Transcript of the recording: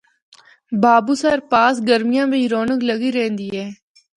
’بابو سر‘ پاس گرمیاں بچ رونق لگی رہندی اے۔